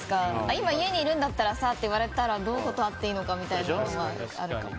今、家にいるんだったらさって言われたらどう断っていいのかみたいなのはあるかも。